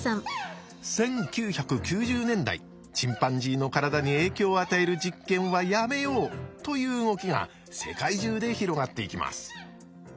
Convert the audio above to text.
１９９０年代チンパンジーの体に影響を与える実験はやめようという動きが世界中で広がっていきます。